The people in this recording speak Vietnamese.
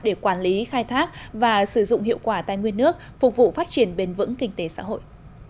để quản lý khai thác và sử dụng hiệu quả tài nguyên nước phục vụ phát triển bền vững kinh tế xã hội